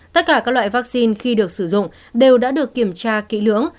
tất cả các loại vaccine khi được sử dụng đều đã được kiểm tra kỹ lưỡng